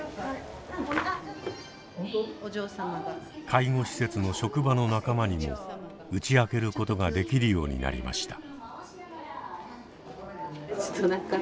介護施設の職場の仲間にも打ち明けることができるようになりました。